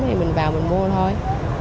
thì mình vào mình mua thôi